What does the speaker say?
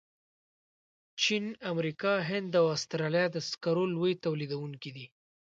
چین، امریکا، هند او استرالیا د سکرو لوی تولیدونکي دي.